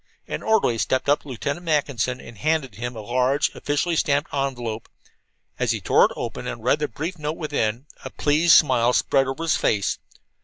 An orderly stepped up to Lieutenant Mackinson and handed him a large, officially stamped envelope. As he tore it open and read the brief note within, a pleased smile spread over his face.